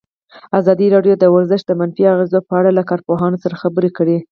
ازادي راډیو د ورزش د منفي اغېزو په اړه له کارپوهانو سره خبرې کړي.